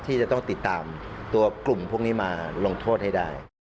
ที่จะต้องติดตามตัวกลุ่มพวกนี้มาลงโทษให้ได้